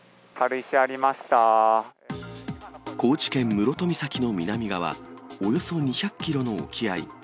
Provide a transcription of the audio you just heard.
室戸岬の南側、およそ２００キロの沖合。